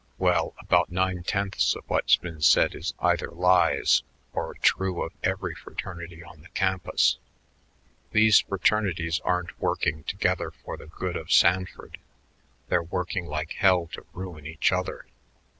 Well, about nine tenths of what's been said is either lies or true of every fraternity on the campus. These fraternities aren't working together for the good of Sanford; they're working like hell to ruin each other.